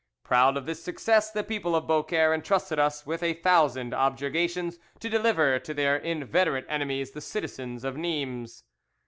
Proud of this success, the people of Beaucaire entrusted us with a thousand objurgations to deliver to their inveterate enemies the citizens of Nimes.